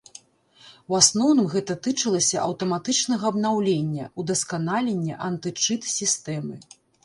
У асноўным гэта тычылася аўтаматычнага абнаўлення, удасканалення антычыт-сістэмы.